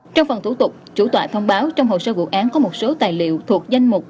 trong phần thủ tục chủ tọa thông báo trong hồ sơ vụ án có một số tài liệu thuộc danh mục